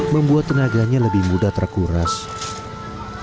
membuat tenaganya lebih mudah terkuras